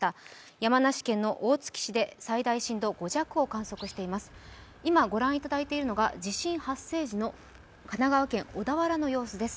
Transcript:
山梨県の大月市で最大震度５弱を観測しています。